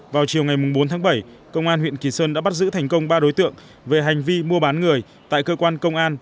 vào chiều ngày bốn tháng bảy công an huyện kỳ sơn đã bắt giữ thành công ba đối tượng về hành vi mua bán người tại cơ quan công an